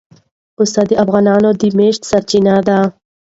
پسه د افغانانو د معیشت سرچینه ده.